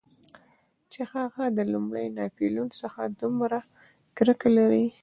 چې هغه له لومړي ناپلیون څخه دومره کرکه لري.